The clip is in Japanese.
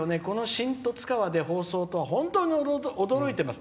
新十津川で放送とは本当に驚いています。